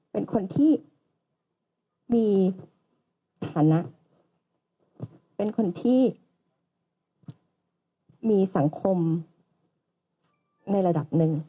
เป็นคนที่มีฐานะเป็นคนที่มีสังคมในระดับหนึ่ง